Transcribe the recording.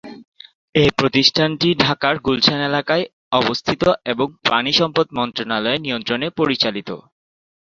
এই প্রতিষ্ঠানটি ঢাকার গুলশান এলাকায়-এ অবস্থিত এবং পানি সম্পদ মন্ত্রণালয়ের নিয়ন্ত্রণে পরিচালিত।